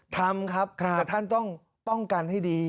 ทำครับแต่ท่านต้องป้องกันให้ดี